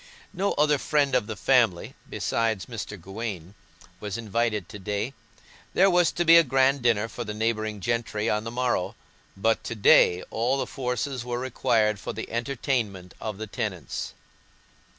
No other friend of the family, besides Mr. Gawaine, was invited to day; there was to be a grand dinner for the neighbouring gentry on the morrow, but to day all the forces were required for the entertainment of the tenants.